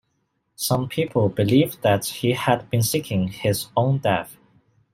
Some people believed that he had been seeking his own death.